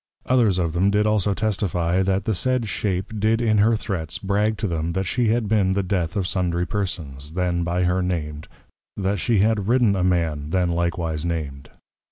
Others of them did also testifie, that the said Shape did in her Threats brag to them that she had been the Death of sundry Persons, then by her named; that she had Ridden a Man then likewise named.